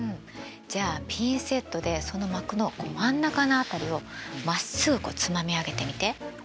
じゃあピンセットでその膜のこう真ん中の辺りをまっすぐこうつまみ上げてみて。